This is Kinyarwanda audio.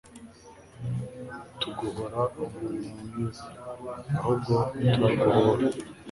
tuguhora umurimo mwiza ahubwo turaguhora